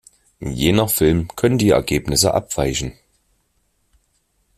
Je nach Film können die Ergebnisse abweichen.